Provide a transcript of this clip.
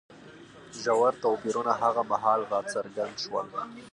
ژور توپیرونه هغه مهال راڅرګند شول